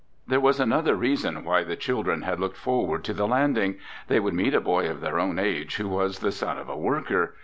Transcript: There was still another reason why the children had looked forward to the landing. They would meet a boy of their own age who was the son of a worker.